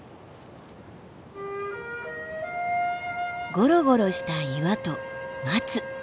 ゴロゴロした岩とマツ。